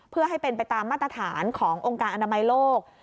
เพื่อให้เป็นไปตามมาตรฐานขององค์การอนามัยโลก